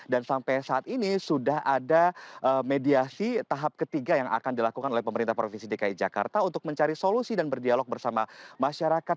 sampai saat ini sudah ada mediasi tahap ketiga yang akan dilakukan oleh pemerintah provinsi dki jakarta untuk mencari solusi dan berdialog bersama masyarakat